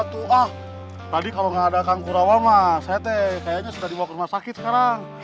tadi kalau gak ada kanku ramah saya teh kayaknya sudah dibawa ke rumah sakit sekarang